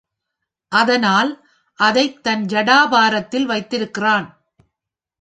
அதனால் அதைத் தன் ஜடாபாரத்தில் வைத்திருக்கிறான்.